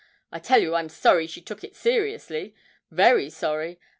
I tell you I'm sorry she took it seriously very sorry.